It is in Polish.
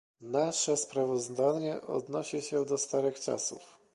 Nasze sprawozdanie odnosi się do starych czasów